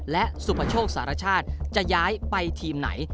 และสุภโชคสารชาติจะย้ายไปทีมไหน